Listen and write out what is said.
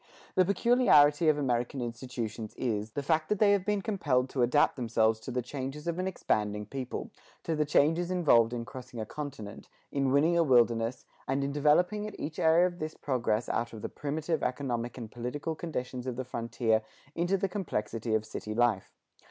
The peculiarity of American institutions is, the fact that they have been compelled to adapt themselves to the changes of an expanding people to the changes involved in crossing a continent, in winning a wilderness, and in developing at each area of this progress out of the primitive economic and political conditions of the frontier into the complexity of city life.